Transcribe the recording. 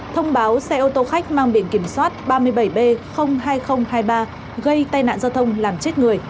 thông báo xe ô tô khách mang biển kiểm soát ba mươi bảy b hai nghìn hai mươi ba gây tai nạn giao thông làm chết người